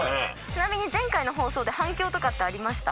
ちなみに前回の放送で反響とかってありました？